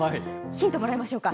ヒントもらいましょうか。